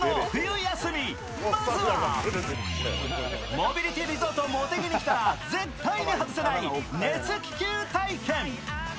モビリティーリゾートもてぎに来たら絶対に外せない熱気球体験。